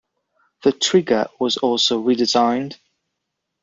The trigger was also redesigned.